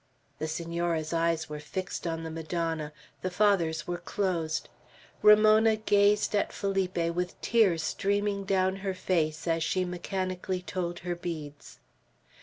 The Senora's eyes were fixed on the Madonna. The Father's were closed. Ramona gazed at Felipe with tears streaming down her face as she mechanically told her beads.